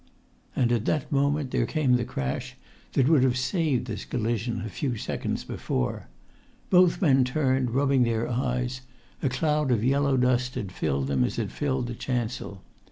And at that moment there came the crash that would have saved this collision a few seconds before. Both men turned, rubbing their eyes; a cloud of yellow dust had filled them as it filled the chancel.